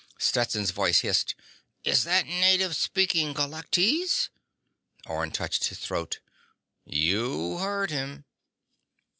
Stetson's voice hissed: "Is that the native speaking Galactese?" Orne touched his throat. _"You heard him."